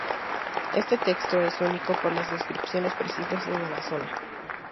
Este texto es único por las descripciones precisas de la zona.